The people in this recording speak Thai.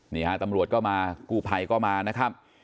นี่ฮะตำรวจก็มากู้ภัยก็มานะครับ